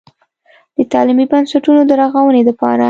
د تعليمي بنسټونو د رغونې دپاره